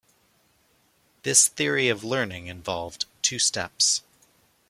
This theory of learning involved two steps.